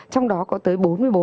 trong đó có tới bốn mươi bốn